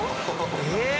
えっ？